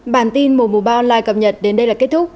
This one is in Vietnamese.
bản tin mùa ba online cập nhật đến đây là kết thúc